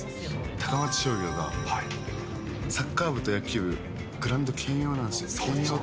高松商業がサッカー部と野球部グラウンド兼用なんですよ。